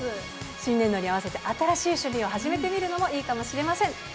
新年度に合わせて新しい趣味を始めてみるのもいいかもしれません。